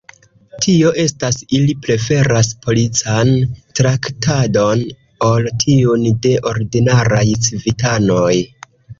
Tio estas, ili preferas polican traktadon ol tiun de ordinaraj civitanoj.